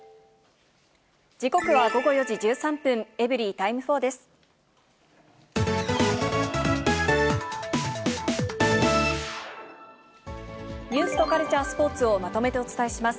時刻は午後４時１３分、エブリィタイム４です。